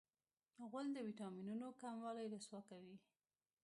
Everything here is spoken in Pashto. غول د وېټامینونو کموالی رسوا کوي.